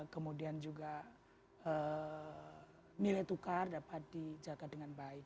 kemudian juga nilai tukar dapat dijaga dengan baik